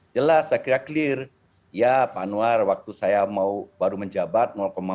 jelas saya kira clear ya pak anwar waktu saya mau baru menjabat